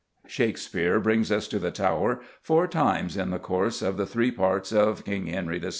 Shakespeare brings us to the Tower four times in the course of the three parts of _King Henry VI.